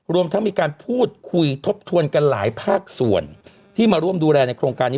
รวมทั้งมีการพูดคุยทบทวนกันหลายภาคส่วนที่มาร่วมดูแลในโครงการนี้